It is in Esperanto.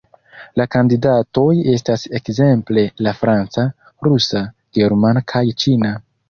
La kandidatoj estas ekzemple la franca, rusa, germana kaj ĉina.